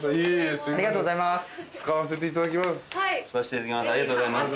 使わせていただきます。